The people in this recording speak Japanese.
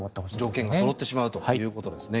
条件がそろってしまうということですね。